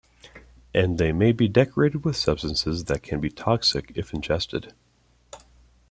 And they may be decorated with substances that can be toxic if ingested.